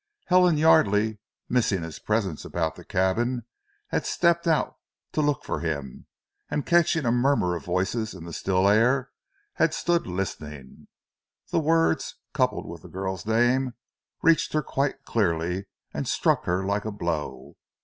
Helen Yardely, missing his presence about the cabin, had stepped out to look for him, and catching a murmur of voices in the still air, had stood listening. The words, coupled with the girl's name, reached her quite clearly, and struck her like a blow.